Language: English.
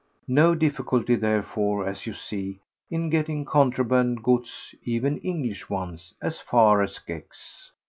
No difficulty, therefore, as you see, in getting contraband goods—even English ones—as far as Gex.